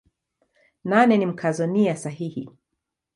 Nane ni Mkazo nia sahihi.